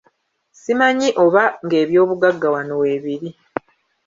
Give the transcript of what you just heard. Simanyi oba ng'eby'obugagga wano weebiri.